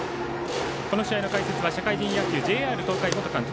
この試合の解説は社会人野球ＪＲ東海元監督